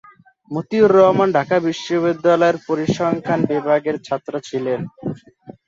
মতিউর রহমান ঢাকা বিশ্ববিদ্যালয়ের পরিসংখ্যান বিভাগের ছাত্র ছিলেন।